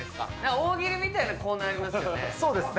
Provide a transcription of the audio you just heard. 大喜利みたいなコーナーありますそうですね。